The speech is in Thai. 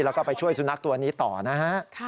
แล้วก็ไปช่วยสุนัขตัวนี้ต่อนะฮะ